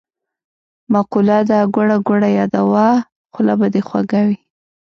مقوله ده: ګوړه ګوړه یاده وه خوله به دی خوږه وي.